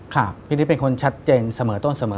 ค่ะพี่น้องเป็นคนชัดเจนเสมอต้นเสมอไป